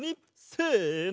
せの！